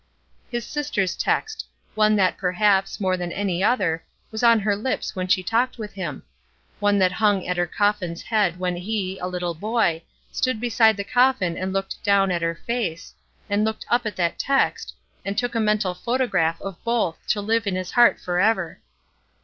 His sister's text; one that, perhaps more than any other, was on her lips when she talked with him; one that hung at her coffin's head when he, a little boy, stood beside the coffin and looked down at her face, and looked up at that text, and took a mental photograph of both to live in his heart forever.